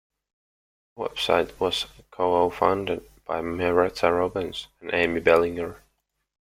The website was co-founded by Myretta Robens and Amy Bellinger.